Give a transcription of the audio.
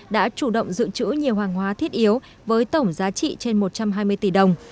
đã chủ động giữ chữ nhiều hàng hóa thiết yếu với tổng giá trị trên một trăm hai mươi tỷ đồng